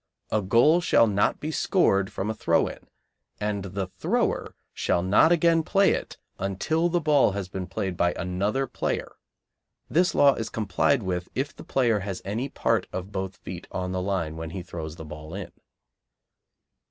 A goal shall not be scored from a throw in, and the thrower shall not again play until the ball has been played by another player. (This law is complied with if the player has any part of both feet on the line when he throws the ball in.)